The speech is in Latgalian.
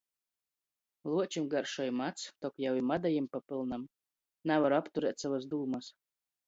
Luočim garšoj mads, tok jau i mada jim papylnam! Navaru apturēt sovys dūmys...